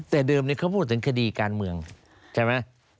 แต่เดิมเขาพูดถึงคดีการเมืองใช่ไหม